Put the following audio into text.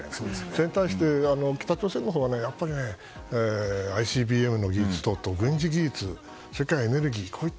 それに対して北朝鮮のほうはＩＣＢＭの技術等々、軍事技術それからエネルギー。